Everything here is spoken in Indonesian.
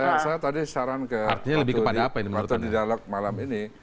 makanya saya tadi saran ke pak tudi pak tudi dialog malam ini